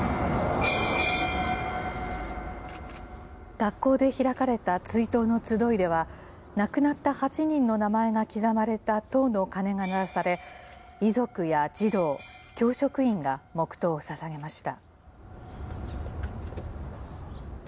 学校で開かれた追悼の集いでは、亡くなった８人の名前が刻まれた塔の鐘が鳴らされ、遺族や児童、教職員が黙とうをささげました。